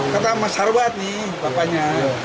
kata mas harwat nih bapaknya